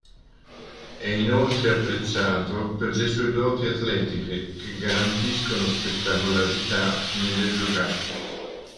È inoltre apprezzato per le sue doti atletiche che garantiscono spettacolarità nelle giocate.